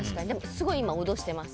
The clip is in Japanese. すごい、今、脅してます。